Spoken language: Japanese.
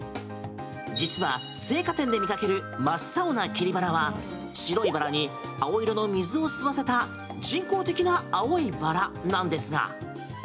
実は、生花店で見かける真っ青な切りバラは白いバラに青色の水を吸わせた人工的な青いバラなんですが。